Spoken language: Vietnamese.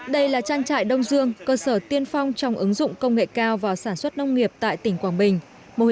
đây là trang trại đông dương cơ sở tiên phong trong ứng dụng công nghệ cao vào sản xuất nông nghiệp tại tỉnh quảng bình